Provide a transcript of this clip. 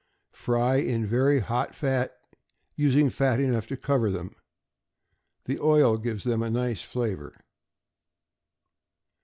Fry in very hot fat, using fat enough to cover them. The oil gives them a nice flavor.